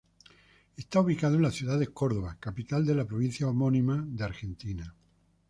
Está ubicado en la ciudad de Córdoba, capital de la provincia homónima de Argentina.